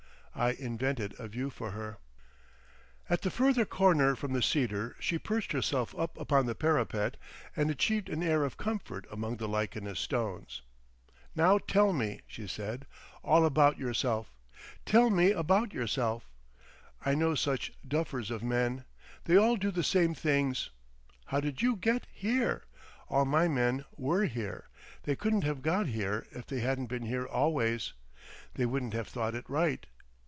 I invented a view for her. At the further corner from the cedar she perched herself up upon the parapet and achieved an air of comfort among the lichenous stones. "Now tell me," she said, "all about yourself. Tell me about yourself; I know such duffers of men! They all do the same things. How did you get—here? All my men were here. They couldn't have got here if they hadn't been here always. They wouldn't have thought it right.